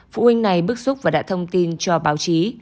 phụ huynh này bức xúc và đã thông tin cho báo chí